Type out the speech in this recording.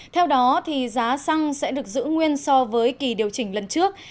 theo đó giá xăng sẽ được giữ nguyên so với kỳ điều chỉnh lần trước